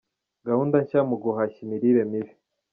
Gahunda nshya mu guhashya imirire mibi.